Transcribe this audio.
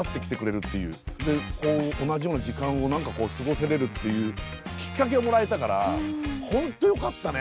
でこう同じような時間を何かこう過ごせれるっていうきっかけをもらえたから本当よかったね。